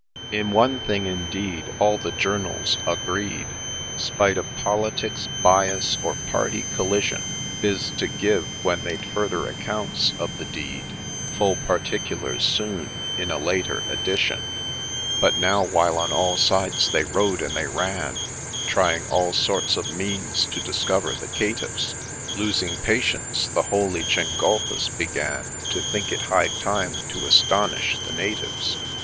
In one thing, indeed, all the journals agreed, Spite of ' politics,' ' bias,' or ' party collision ;' Viz. : to ' give,' when they'd ' further accounts ' of the deed, ' Full particulars ' soon, in ' a later Edition.' But now, while on all sides they rode and they ran, Trying all sorts of means to discover the caitiffs, Losing patience, the holy Gengulphus began To think it high time to ' astonish the natives.'